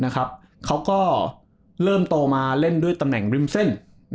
เขาก็เริ่มโตมาเล่นด้วยตำแหน่งริมเส้น